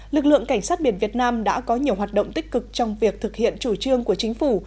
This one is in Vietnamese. lực lượng cảnh sát biển việt nam đã có nhiều hoạt động tích cực trong việc thực hiện chủ trương của chính phủ